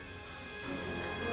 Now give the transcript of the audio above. aku percaya mereka